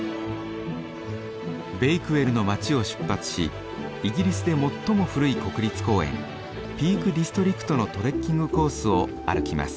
ベイクウェルの街を出発しイギリスで最も古い国立公園ピークディストリクトのトレッキングコースを歩きます。